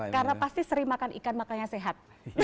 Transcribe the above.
karena pasti seri makan ikan makanya sehat